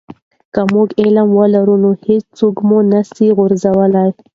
که موږ علم ولرو نو هیڅوک موږ نه سی غولولی.